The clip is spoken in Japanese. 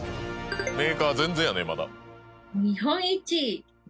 メーカー全然やねまだ。